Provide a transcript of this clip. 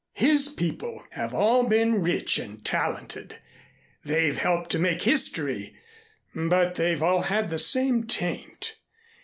His people have all been rich and talented. They've helped to make history, but they've all had the same taint.